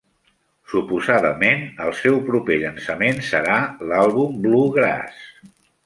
Suposadament, el seu proper llançament serà l'àlbum "Bluegrass".